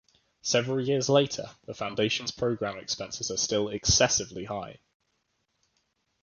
Several years later, the Foundation's program expenses are still excessively high.